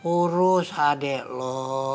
urus adek lo